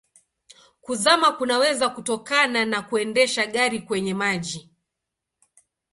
Kuzama kunaweza kutokana na kuendesha gari kwenye maji.